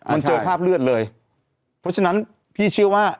มันเจอคราบเลือดเลยเพราะฉะนั้นพี่เชื่อว่า